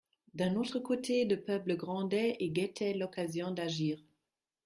D'un autre côté, le peuple grondait et guettait l'occasion d'agir.